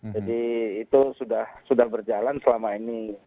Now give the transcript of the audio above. jadi itu sudah berjalan selama ini